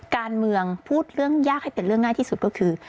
การเมืองพูดเรื่องยากให้เป็นเรื่องง่ายที่สุดก็คือ